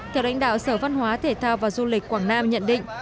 theo đánh đạo sở văn hóa thể thao và du lịch quảng nam nhận định